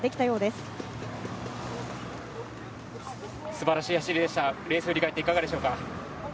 すばらしい走りでした、レース振り返っていかがでしょうか？